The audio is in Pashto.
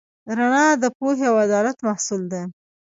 رڼا د پوهې او عدالت محصول ده.